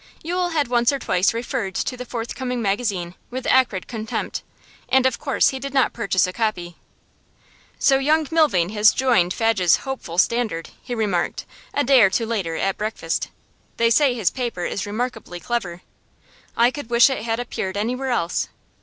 Yule had once or twice referred to the forthcoming magazine with acrid contempt, and of course he did not purchase a copy. 'So young Milvain has joined Fadge's hopeful standard,' he remarked, a day or two later, at breakfast. 'They say his paper is remarkably clever; I could wish it had appeared anywhere else.